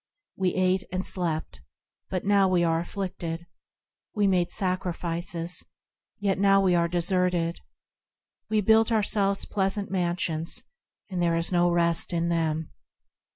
We ate and slept, but now we are afflicted, We made sacrifices, yet now we are deserted, We built ourselves pleasant mansions, and there is no rest in them.